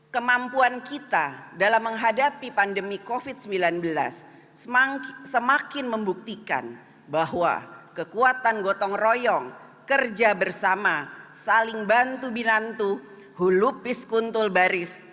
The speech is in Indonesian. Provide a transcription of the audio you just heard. kemampuan kita dalam menghadapi pandemi covid sembilan belas semakin membuktikan bahwa kekuatan gotong royong kerja bersama saling bantu binantu hulu pis kuntul baris